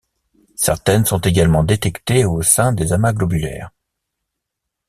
Certaines sont également détectées au sein des amas globulaires.